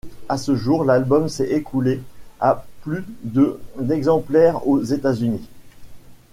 À ce jour, l'album s'est écoulé à plus de d'exemplaires aux États-Unis.